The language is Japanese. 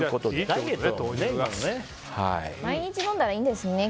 毎日飲んだらいいんですね。